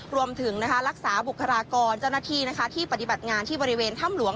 รวมถึงรักษาบุคลากรเจ้าหน้าที่ที่ปฏิบัติงานที่บริเวณถ้ำหลวง